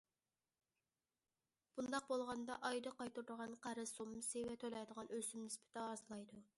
بۇنداق بولغاندا، ئايدا قايتۇرىدىغان قەرز سوممىسى ۋە تۆلەيدىغان ئۆسۈم نىسبىتى ئازلايدۇ.